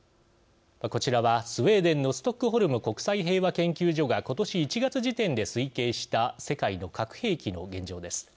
こちらはスウェーデンのストックホルム国際平和研究所がことし１月時点で推計した世界の核兵器の現状です。